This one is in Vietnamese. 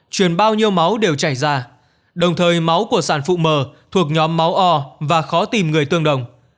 truyền bao nhiêu máu đều chảy ra đồng thời máu của sản phụ mờ thuộc nhóm máu o và khó tìm người tương đồng